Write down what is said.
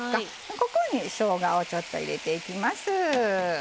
ここにしょうがをちょっと入れていきます。